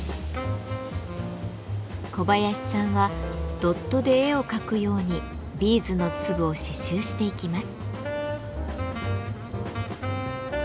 小林さんはドットで絵を描くようにビーズの粒を刺繍していきます。